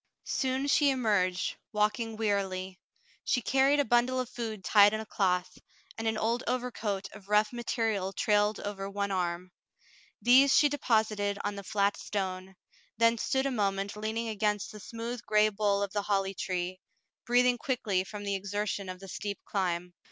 Soon she emerged, walking wearily. She carried a bundle of food tied in a cloth, and an old overcoat of rough material trailed over one arm. These she deposited on the flat stone, then stood a moment leaning against the smooth gray bole of the holly tree, breathing quickly from the exertion of the steep climb.